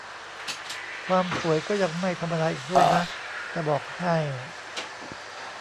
ความสวยก็ยังไม่ธรรมดาอีกด้วยนะจะบอกให้